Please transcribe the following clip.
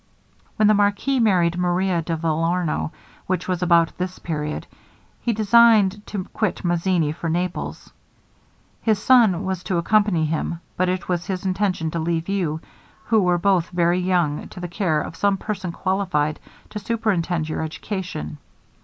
'When the marquis married Maria de Vellorno, which was about this period, he designed to quit Mazzini for Naples. His son was to accompany him, but it was his intention to leave you, who were both very young, to the care of some person qualified to superintend your education.